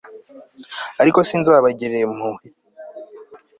ariko sinzabagirira impuhwe